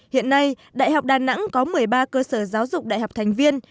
hiện nay đại học đà nẵng có một mươi ba cơ sở giáo dục đại học thành viên